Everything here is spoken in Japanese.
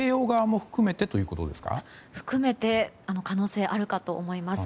含めて可能性があるかと思います。